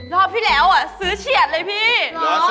รอบที่แล้วซื้อเฉียดเลยพี่